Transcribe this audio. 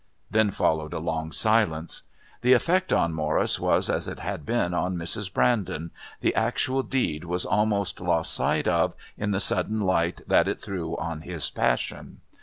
Then followed a long silence. The effect on Morris was as it had been on Mrs. Brandon the actual deed was almost lost sight of in the sudden light that it threw on his passion.